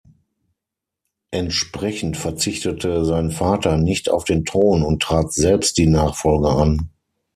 Entsprechend verzichtete sein Vater nicht auf den Thron und trat selbst die Nachfolge an.